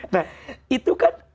nah itu kan